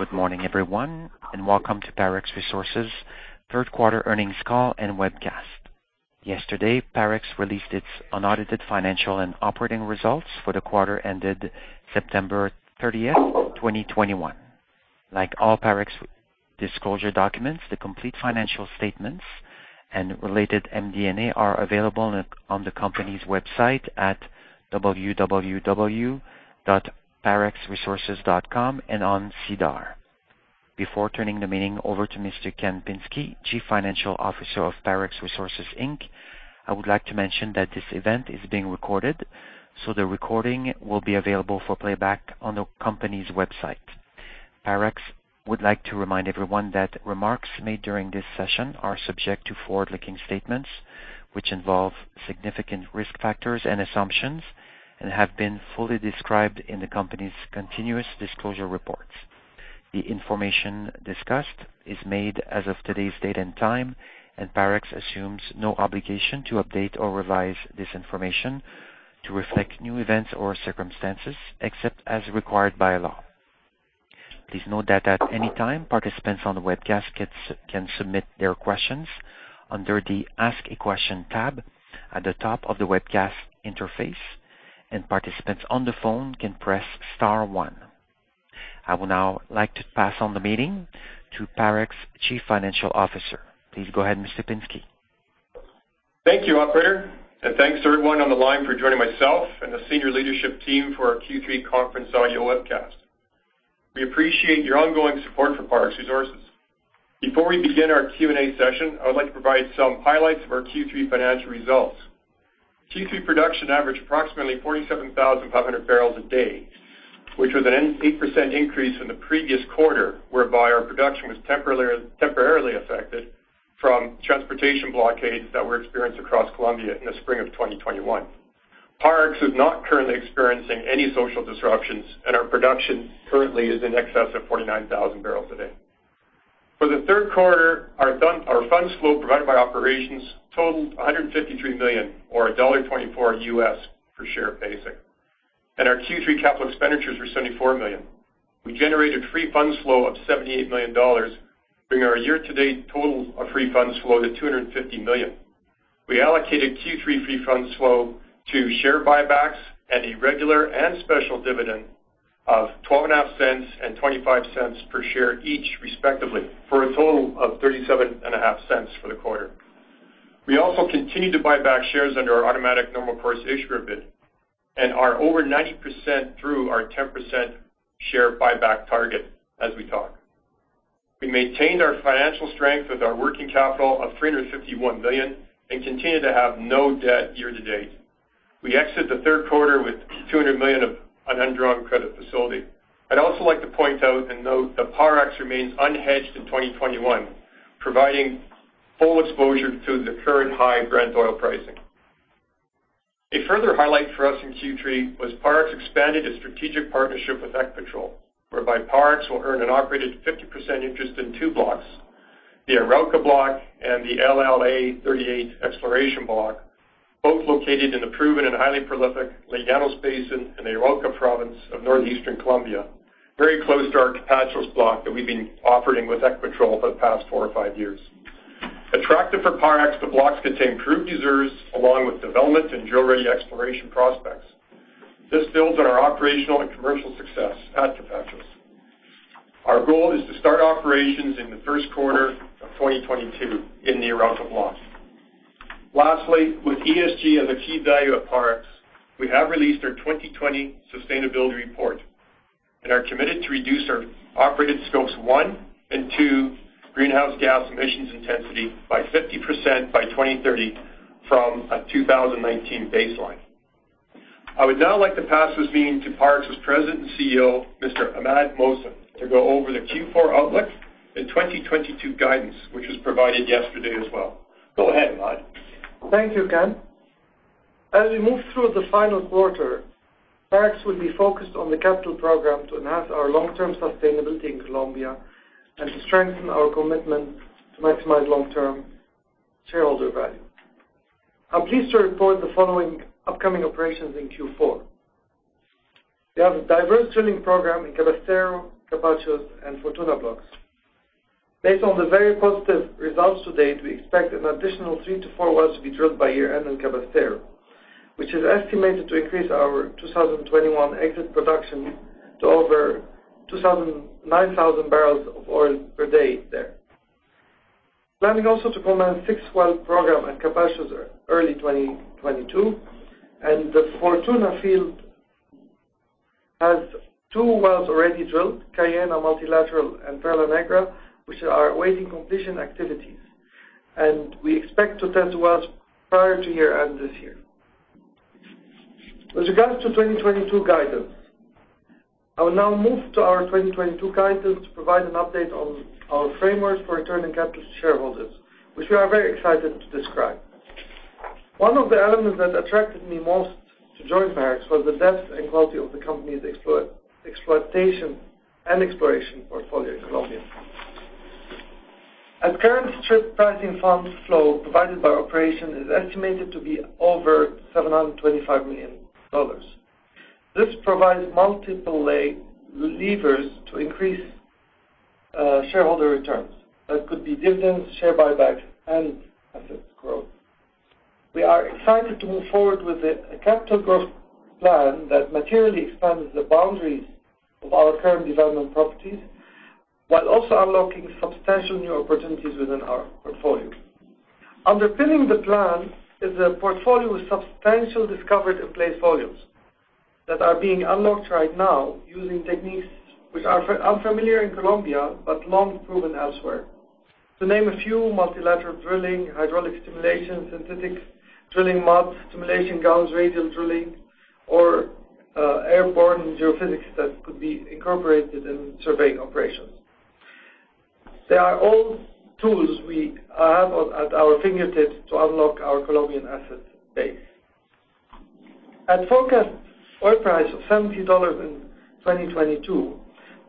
Good morning, everyone, and welcome to Parex Resources' Q3 earnings call and webcast. Yesterday, Parex released its unaudited financial and operating results for the quarter ended September 30, 2021. Like all Parex disclosure documents, the complete financial statements and related MD&A are available on the company's website at www.parexresources.com and on SEDAR. Before turning the meeting over to Mr. Ken Pinsky, Chief Financial Officer of Parex Resources Inc., I would like to mention that this event is being recorded, so the recording will be available for playback on the company's website. Parex would like to remind everyone that remarks made during this session are subject to forward-looking statements, which involve significant risk factors and assumptions and have been fully described in the company's continuous disclosure reports. The information discussed is made as of today's date and time, and Parex assumes no obligation to update or revise this information to reflect new events or circumstances except as required by law. Please note that at any time, participants on the webcast can submit their questions under the Ask a Question tab at the top of the webcast interface, and participants on the phone can press star one. I would now like to pass on the meeting to Parex Chief Financial Officer. Please go ahead, Mr. Pinsky. Thank you, operator, and thanks to everyone on the line for joining myself and the senior leadership team for our Q3 conference audio webcast. We appreciate your ongoing support for Parex Resources. Before we begin our Q&A session, I would like to provide some highlights of our Q3 financial results. Q3 production averaged approximately 47,500 barrels a day, which was an 8% increase from the previous quarter, whereby our production was temporarily affected from transportation blockades that were experienced across Colombia in the spring of 2021. Parex is not currently experiencing any social disruptions, and our production currently is in excess of 49,000 barrels a day. For the Q3, our funds flow from operations totaled $153 million or $1.24 U.S. per share basic. Our Q3 capital expenditures were $74 million. We generated free funds flow of $78 million, bringing our year-to-date total of free funds flow to $250 million. We allocated Q3 free funds flow to share buybacks and a regular and special dividend of $0.125 and $0.25 per share each respectively, for a total of $0.375 for the quarter. We also continued to buy back shares under our automatic normal course issuer bid and are over 90% through our 10% share buyback target as we talk. We maintained our financial strength with our working capital of $351 million and continue to have no debt year to date. We exit the Q3 with $200 million of an undrawn credit facility. I'd also like to point out and note that Parex remains unhedged in 2021, providing full exposure to the current high Brent oil pricing. A further highlight for us in Q3 was Parex expanded its strategic partnership with Ecopetrol, whereby Parex will earn an operated 50% interest in two blocks, the Arauca Block and the LLA-38 Exploration Block, both located in the proven and highly prolific Llanos Basin in the Arauca province of northeastern Colombia, very close to our Capachos Block that we've been operating with Ecopetrol for the past four or five years. Attractive for Parex, the blocks contain proved reserves along with development and drill-ready exploration prospects. This builds on our operational and commercial success at Capachos. Our goal is to start operations in the first quarter of 2022 in the Arauca Block. Lastly, with ESG as a key value at Parex, we have released our 2020 sustainability report and are committed to reduce our operated Scope 1 and 2 greenhouse gas emissions intensity by 50% by 2030 from a 2019 baseline. I would now like to pass this meeting to Parex's President and CEO, Mr. Imad Mohsen, to go over the Q4 outlook and 2022 guidance, which was provided yesterday as well. Go ahead, Imad. Thank you, Ken. As we move through the final quarter, Parex will be focused on the capital program to enhance our long-term sustainability in Colombia and to strengthen our commitment to maximize long-term shareholder value. I'm pleased to report the following upcoming operations in Q4. We have a diverse drilling program in Cabrestero, Capachos, and Fortuna Blocks. Based on the very positive results to date, we expect an additional three to four wells to be drilled by year-end in Cabrestero, which is estimated to increase our 2021 exit production to over 9,000 barrels of oil per day there. We are planning also to commence 6-well program at Capachos early 2022, and the Fortuna field has 2 wells already drilled, Cayena Multilateral and Perla Negra, which are awaiting completion activities. We expect to tie in 2 wells prior to year-end this year. With regards to 2022 guidance. I will now move to our 2022 guidance to provide an update on our framework for returning capital to shareholders, which we are very excited to describe. One of the elements that attracted me most to join Parex was the depth and quality of the company's exploitation and exploration portfolio in Colombia. At current strip pricing, funds flow provided by operations is estimated to be over $725 million. This provides multiple levers to increase shareholder returns. That could be dividends, share buybacks, and asset growth. We are excited to move forward with a capital growth plan that materially expands the boundaries of our current development properties, while also unlocking substantial new opportunities within our portfolio. Underpinning the plan is a portfolio with substantial discovered in-place volumes that are being unlocked right now using techniques which are unfamiliar in Colombia but long proven elsewhere. To name a few, multilateral drilling, hydraulic stimulation, synthetic drilling muds, stimulation guns, radial drilling, or airborne geophysics that could be incorporated in surveying operations. They are all tools we have at our fingertips to unlock our Colombian asset base. At forecast oil price of $70 in 2022,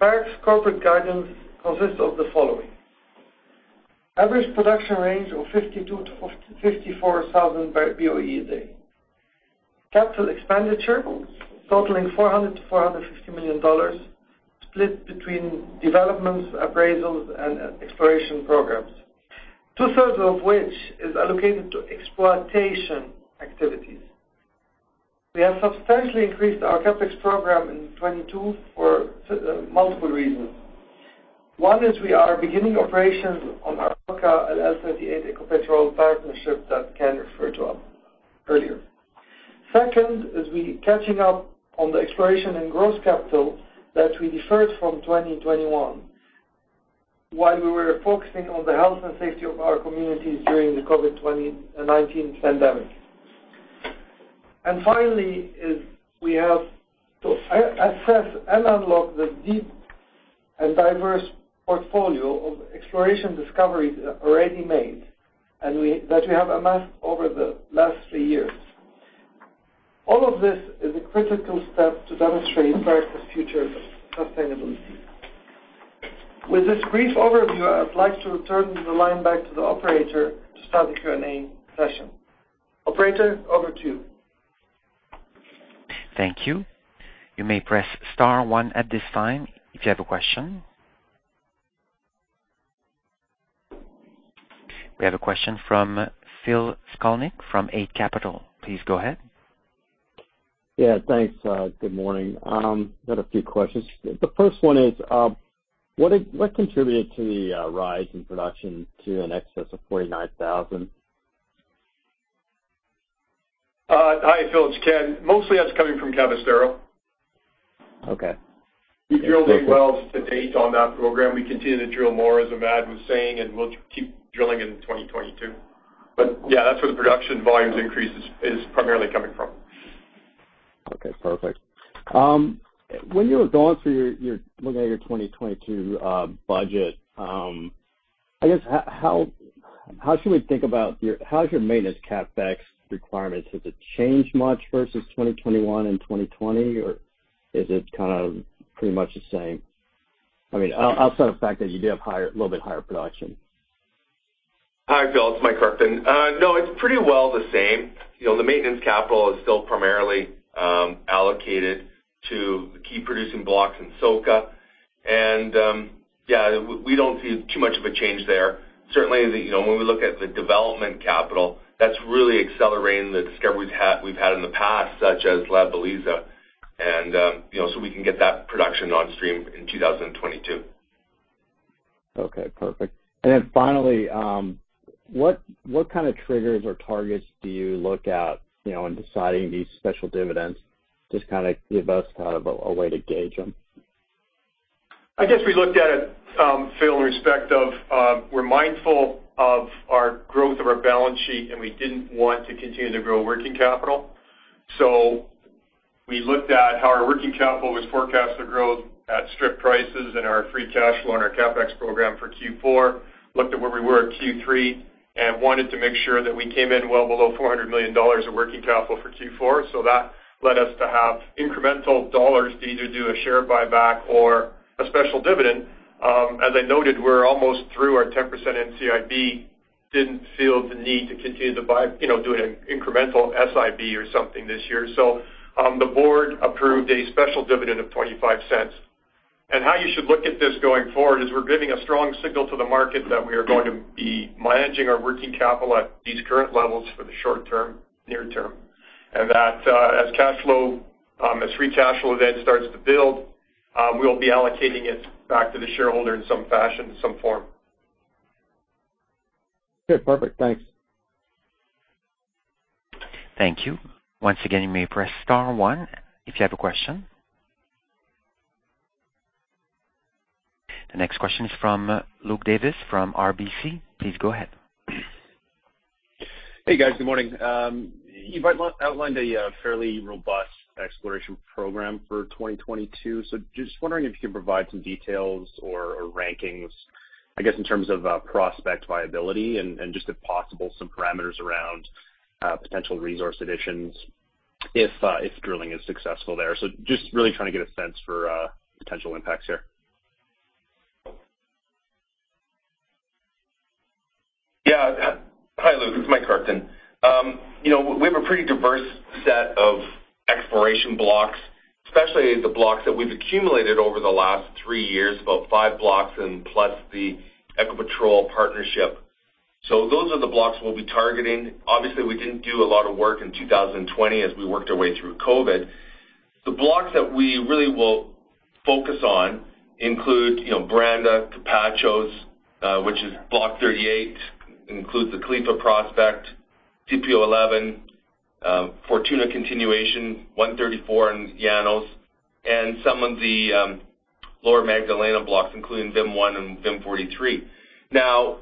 Parex corporate guidance consists of the following. Average production range of 52,000-54,000 BOE a day. Capital expenditure totaling $400 million-$450 million, split between developments, appraisals, and exploration programs, two-thirds of which is allocated to exploitation activities. We have substantially increased our CapEx program in 2022 for multiple reasons. One is we are beginning operations on our Arauca and LLA-38 Ecopetrol partnership that Ken referred to earlier. Second is we catching up on the exploration and growth capital that we deferred from 2021 while we were focusing on the health and safety of our communities during the COVID-19 pandemic. Finally is we have to assess and unlock the deep and diverse portfolio of exploration discoveries already made that we have amassed over the last three years. All of this is a critical step to demonstrate Parex future sustainability. With this brief overview, I would like to return the line back to the operator to start the Q&A session. Operator, over to you. Thank you. You may press star one at this time if you have a question. We have a question from Phil Skolnick from Eight Capital. Please go ahead. Yeah, thanks. Good morning. Got a few questions. The first one is, what contributed to the rise in production to an excess of 49,000? Hi, Phil. It's Ken. Mostly that's coming from Cabrestero. Okay. We're drilling wells to date on that program. We continue to drill more, as Imad was saying, and we'll keep drilling in 2022. Yeah, that's where the production volumes increase is primarily coming from. Okay, perfect. When you were going through your looking at your 2022 budget, I guess how should we think about how's your maintenance CapEx requirements? Has it changed much versus 2021 and 2020, or is it kind of pretty much the same? I mean, outside the fact that you do have a little bit higher production. Hi, Phil. It's Mike Kruchten. No, it's pretty well the same. You know, the maintenance capital is still primarily allocated to the key producing blocks in SOCA. Yeah, we don't see too much of a change there. Certainly, you know, when we look at the development capital, that's really accelerating the discovery we've had in the past, such as La Belleza, you know, so we can get that production on stream in 2022. Okay, perfect. Finally, what kind of triggers or targets do you look at, you know, in deciding these special dividends? Just kinda give us kind of a way to gauge them. I guess we looked at it, Phil, in respect of, we're mindful of our growth of our balance sheet, and we didn't want to continue to grow working capital. We looked at how our working capital was forecasted to grow at strip prices and our free cash flow on our CapEx program for Q4, looked at where we were at Q3, and wanted to make sure that we came in well below $400 million of working capital for Q4. That led us to have incremental dollars to either do a share buyback or a special dividend. As I noted, we're almost through our 10% NCIB. Didn't feel the need to continue to buy, you know, do an incremental SIB or something this year. The board approved a special dividend of $0.25. How you should look at this going forward is we're giving a strong signal to the market that we are going to be managing our working capital at these current levels for the short term, near term. That, as free cash flow then starts to build, we'll be allocating it back to the shareholder in some fashion, some form. Good. Perfect. Thanks. Thank you. Once again, you may press star one if you have a question. The next question is from Luke Davis from RBC. Please go ahead. Hey, guys. Good morning. You've outlined a fairly robust exploration program for 2022. Just wondering if you could provide some details or rankings, I guess, in terms of prospect viability and just if possible, some parameters around potential resource additions if drilling is successful there. Just really trying to get a sense for potential impacts here. Hi, Luke. It's Mike Kruchten. You know, we have a pretty diverse set of exploration blocks, especially the blocks that we've accumulated over the last three years, about five blocks and plus the Ecopetrol partnership. Those are the blocks we'll be targeting. Obviously, we didn't do a lot of work in 2020 as we worked our way through COVID. The blocks that we really will focus on include, you know, Boranda, Capachos, which is block 38, includes the Califa prospect, CPO-11, Fortuna Continuation, 134 in Llanos, and some of the lower Magdalena blocks, including VIM-1 and VIM-43. Now,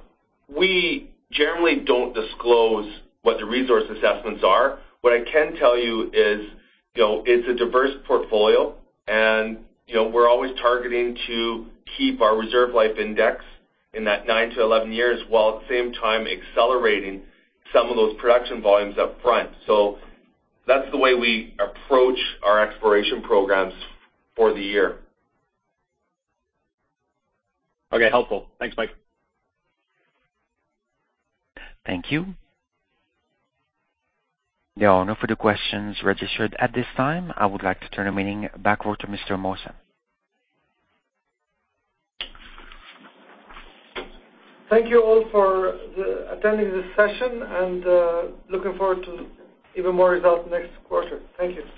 we generally don't disclose what the resource assessments are. What I can tell you is, you know, it's a diverse portfolio and, you know, we're always targeting to keep our reserve life index in that nine to 11 years, while at the same time accelerating some of those production volumes up front. That's the way we approach our exploration programs for the year. Okay. Helpful. Thanks, Mike. Thank you. There are no further questions registered at this time. I would like to turn the meeting back over to Mr. Mohsen. Thank you all for attending this session, and looking forward to even more results next quarter. Thank you.